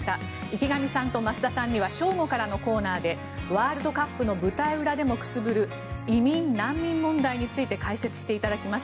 池上さんと増田さんには正午からのコーナーでワールドカップの舞台裏でもくすぶる移民・難民問題について解説していただきます。